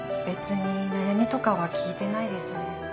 別に悩みとかは聞いてないですね。